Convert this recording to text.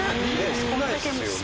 少ないですよね